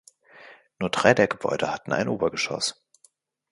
Nur drei der Gebäude hatten ein Obergeschoss.